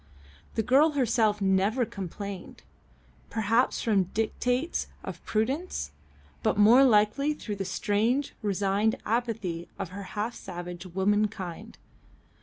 The girl herself never complained perhaps from dictates of prudence, but more likely through the strange, resigned apathy of half savage womankind.